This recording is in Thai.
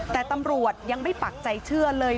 แต่ตำรวจยังไม่ปักใจเชื่อเลย